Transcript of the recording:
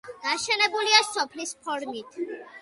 გაშენებულია სოლის ფორმით.